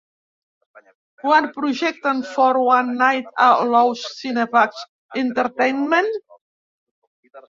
Quan projecten For One Night a Loews Cineplex Entertainment?